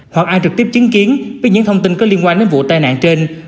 hoặc an trực tiếp chứng kiến với những thông tin có liên quan đến vụ tai nạn trên